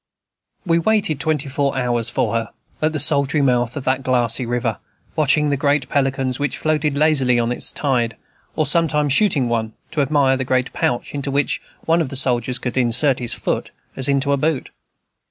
We waited twenty four hours for her, at the sultry mouth of that glassy river, watching the great pelicans which floated lazily on its tide, or sometimes shooting one, to admire the great pouch, into which one of the soldiers could insert his foot, as into a boot.